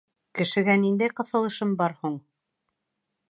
— Кешегә ниндәй ҡыҫылышым бар һуң?